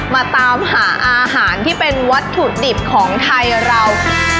มาตามหาอาหารที่เป็นวัตถุดิบของไทยเรา